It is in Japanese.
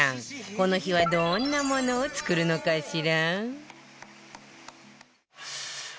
この日はどんなものを作るのかしら？